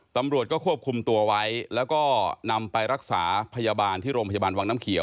ตำรวจก็ควบคุมตัวไว้แล้วก็นำไปรักษาพยาบาลที่โรงพยาบาลวังน้ำเขียว